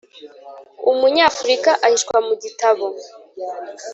Umunyafurika ahishwa mu gitabo